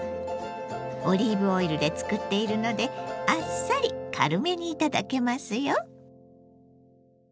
オリーブオイルで作っているのであっさり軽めに頂けますよ。